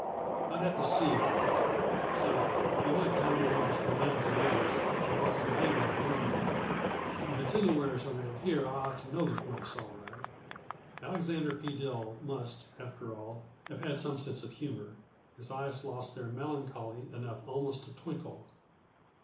I'd have to see it say, yuh might tell me where this bonanza is, and what's the name uh the brand. If it's anywheres around here I ought to know the place, all right." Alexander P. Dill must, after all, have had some sense of humor; his eyes lost their melancholy enough almost to twinkle.